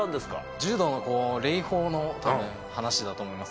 柔道の礼法の、たぶん、話だと思います。